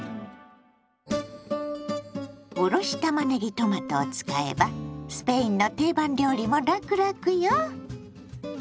おろしたまねぎトマトを使えばスペインの定番料理もラクラクよ！